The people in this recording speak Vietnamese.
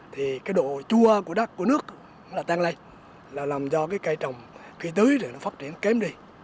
thì cái độ chua của đất của nước nó tan lây là làm cho cái cây trồng khi tưới rồi nó phát triển kém đi